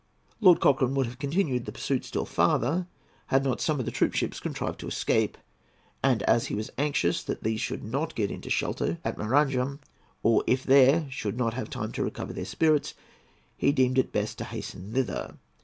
Lord Cochrane would have continued the pursuit still farther, had not some of the troop ships contrived to escape; and as he was anxious that these should not get into shelter at Maranham, or, if there, should not have time to recover their spirits, he deemed it best to hasten thither.